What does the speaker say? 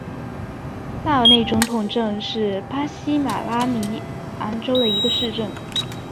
萨尔内总统镇是巴西马拉尼昂州的一个市镇。